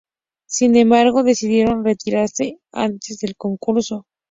Sin embargo, decidieron retirarse antes del concurso.